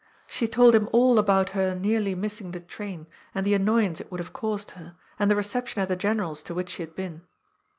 She told him all about her nearly missing the train, and the annoyance it would have caused her, and the reception at the General's, to which she had been.